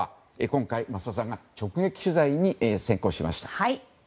今回増田さんが直撃取材に成功しました。